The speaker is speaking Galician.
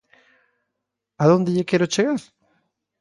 ¿A onde lle quero chegar?